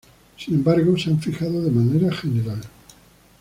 Sin embargo, se han fijado de manera general.